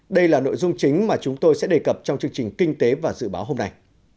đây là nội dung chính mà chúng tôi sẽ đề cập trong chương trình kinh tế và dự báo hôm nay